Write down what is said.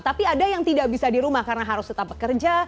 tapi ada yang tidak bisa di rumah karena harus tetap bekerja